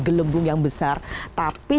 gelembung yang besar tapi